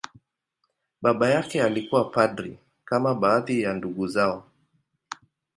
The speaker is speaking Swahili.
Baba yake alikuwa padri, kama baadhi ya ndugu zao.